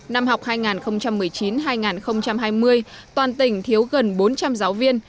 năm học hai nghìn một mươi chín hai nghìn hai mươi toàn tỉnh thiếu gần bốn trăm linh giáo viên